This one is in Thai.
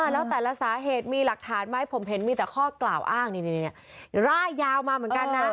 แล้วแต่ละสาเหตุมีหลักฐานไหมผมเห็นมีแต่ข้อกล่าวอ้างนี่ร่ายยาวมาเหมือนกันนะ